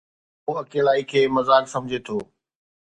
هو اڪيلائي کي مذاق سمجهي ٿو